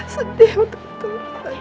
sedih untuk turun